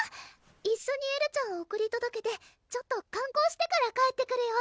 一緒にエルちゃんを送りとどけてちょっと観光してから帰ってくるよ